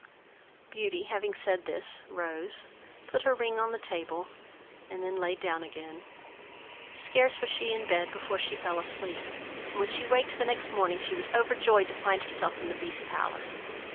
Beauty having said this, rose, put her ring on the table, and then laid down again; scarce was she in bed before she fell asleep; and when she waked the next morning, she was overjoyed to find herself in the Beast's palace.